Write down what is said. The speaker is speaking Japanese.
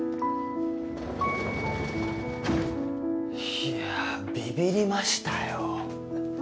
いやビビりましたよ。